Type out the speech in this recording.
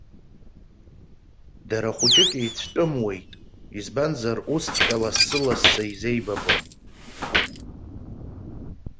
Дара хәыҷык еицәтәымуеит, избанзар, усҵәҟьа лассы-лассы изеибабом.